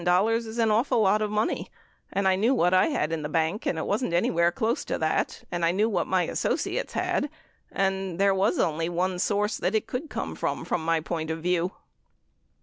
$100,000 is an awful lot of money and I knew what I had in the bank and it wasn't anywhere close to that and I knew what my associates had and there was only one source that it could come from, from my point of view.